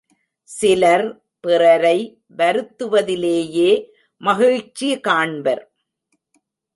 சிலர் பிறரை வருத்துவதிலேயே மகிழ்ச்சி காண்பர்.